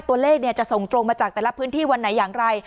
ตัวเลขจะส่งตรงมาจากแต่ละพื้นที่วันไหนอย่างไร